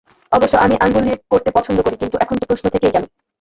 অবশ্য আমি আংগুল দিয়ে করতে পছন্দ করি, কিন্তু এখন তো প্রশ্ন থেকেই গেলো।